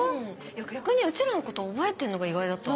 逆にうちらのこと覚えてるのが意外だった。